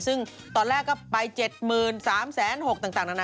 ซึ่งตอนแรกก็ไป๓๖๐๐๐๐๐ต่างนาง